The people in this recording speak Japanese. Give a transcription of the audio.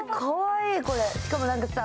しかもなんかさ